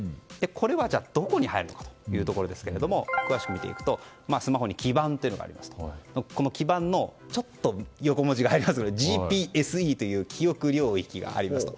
これはどこに入るのかというところですが詳しく見ていくとスマホに基盤というのがあってこの基盤のＧＰ‐ＳＥという記憶領域がありますと。